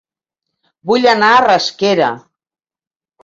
Vull anar a Rasquera